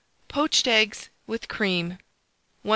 POACHED EGGS, WITH CREAM. 1664.